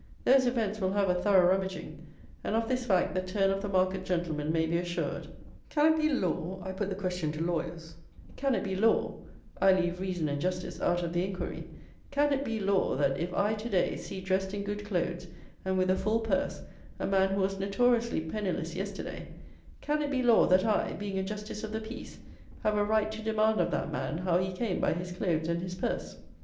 Those events will have a thorough rummaging; and of this fact the "turn of the market" gentlemen may be assured. Can it be law (I put the question to lawyers), can it be law (I leave reason and justice out of the inquiry), can it be law, that, if I, to day, see dressed in good clothes, and with a full purse, a man who was notoriously penniless yesterday; can it be law, that I (being a justice of the peace) have a right to demand of that man how he came by his clothes and his purse?